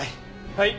はい！